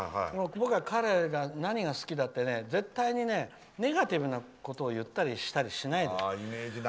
僕は彼の何が好きだって絶対にネガティブなことを言ったり、したりしないんです。